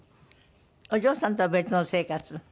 お嬢さんとは別の生活？